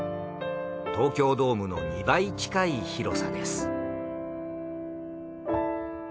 東京ドームの２倍近い広さです。